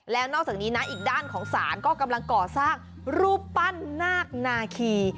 แล้วนอกจากนี้นะอีกด้านของศาลก็กำลังก่อสร้างรูปปั้นนาคนาคี